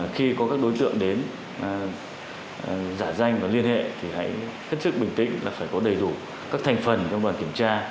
khi có các đối tượng đến giả danh và liên hệ thì hãy hết sức bình tĩnh là phải có đầy đủ các thành phần trong đoàn kiểm tra